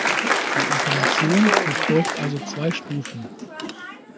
Die Information durchläuft also zwei Stufen.